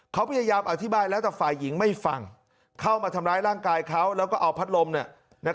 เขาพยายามอธิบายแล้วแต่ฝ่ายหญิงไม่ฟังเข้ามาทำร้ายร่างกายเขาแล้วก็เอาพัดลม